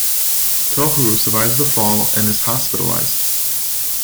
Tohru survives the fall and is hospitalized.